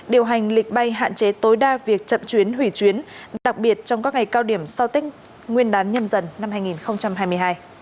điều hành lịch bay hạn chế tối đa việc chậm chuyến hủy chuyến đặc biệt trong các ngày cao điểm sau tết nguyên đán nhâm dần năm hai nghìn hai mươi hai